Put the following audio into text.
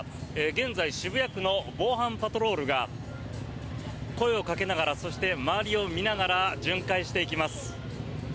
現在、渋谷区の防犯パトロールが声をかけながらそして、周りを見ながら巡回していきます。